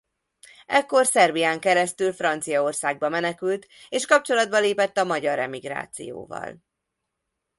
Ekkor Szerbián keresztül Franciaországba menekült és kapcsolatba lépett a magyar emigrációval.